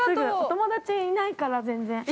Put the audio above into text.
◆友達いないから、全然。